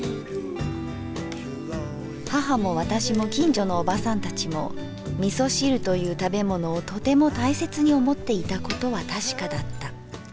「母も私も近所のおばさんたちも味噌汁という食物をとても大切に思っていたことはたしかだった。